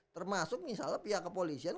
termasuk misalnya pihak kepolisian